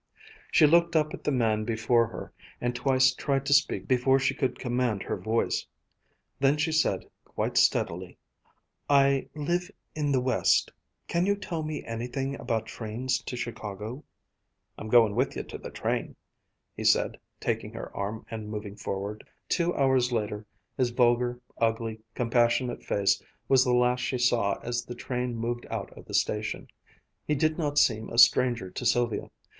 She looked up at the man before her and twice tried to speak before she could command her voice. Then she said quite steadily: "I live in the West. Can you tell me anything about trains to Chicago?" "I'm going with ye, to th' train," he said, taking her arm and moving forward. Two hours later his vulgar, ugly, compassionate face was the last she saw as the train moved out of the station. He did not seem a stranger to Sylvia.